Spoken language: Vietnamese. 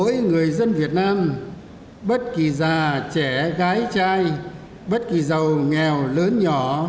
mỗi người dân việt nam bất kỳ già trẻ gái trai bất kỳ giàu nghèo lớn nhỏ